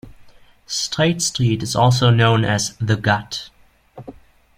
Strait Street is also known as "The Gut".